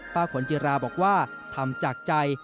ขนจิราบอกว่าทำจากใจ